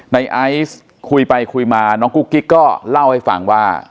ไอซ์คุยไปคุยมาน้องกุ๊กกิ๊กก็เล่าให้ฟังว่า